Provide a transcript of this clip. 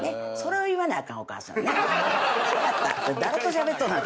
誰としゃべっとんねん。